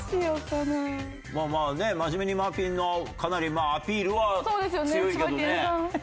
まあねマジメニマフィンのかなりアピールは強いけどね。